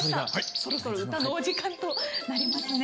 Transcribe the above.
そろそろ歌のお時間となりますね。